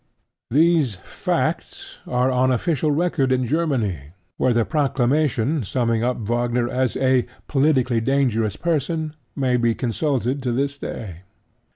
These facts are on official record in Germany, where the proclamation summing up Wagner as "a politically dangerous person" may be consulted to this day.